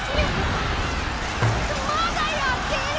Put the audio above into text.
まだやってる！